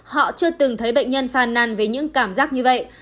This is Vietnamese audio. họ chưa từng thấy bệnh nhân phàn nàn với những cảm giác như vậy